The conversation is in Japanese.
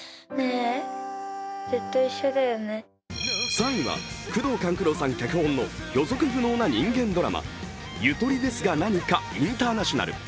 ３位は宮藤官九郎さん脚本の予測不能な人間ドラマ「ゆとりですがなにかインターナショナル」。